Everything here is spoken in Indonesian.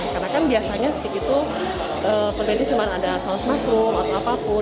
karena kan biasanya steak itu perbedaannya cuma ada saus masrum atau apapun